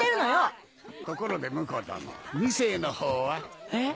ところで婿殿２世のほうは？え？